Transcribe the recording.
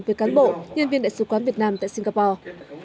với cán bộ nhân viên đại sứ quán việt nam tại singapore